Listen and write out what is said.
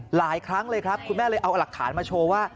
หลายครั้งเลยครับคุณแม่เลยเอาหลักฐานมาโชว์ว่า